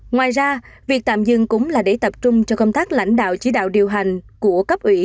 ngoài ra việc tạm dừng cũng là để tập trung cho công tác lãnh đạo chỉ đạo điều hành của cấp ủy